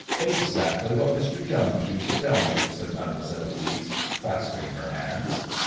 Exactly what Mr. Jones used to tell me," said Mademoiselle Ixe, clasping her hands.